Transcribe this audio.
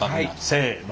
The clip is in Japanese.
せの。